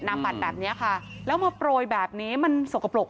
นามบัตรแบบนี้ค่ะแล้วมาโปรยแบบนี้มันสกปรกอ่ะ